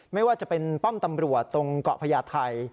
ไม่ว่าจะเป็นป้อมตำรวจตรงเกาะพญาไทย